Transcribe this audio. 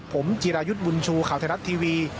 ผมจิรายุทธ์บุญชูข่าวไทยรัฐทีวี